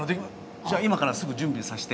今からすぐ準備させて。